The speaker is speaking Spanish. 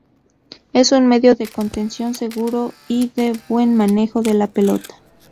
Es un medio de contención, seguro y de buen manejo de la pelota.